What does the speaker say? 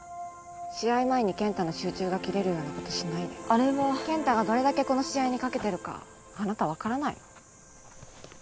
試合前に健太の集中が切れるようなことしないであれは健太がどれだけこの試合にかけてるかあなた分からないの？